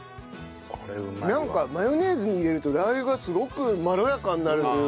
なんかマヨネーズに入れるとラー油がすごくまろやかになるというか。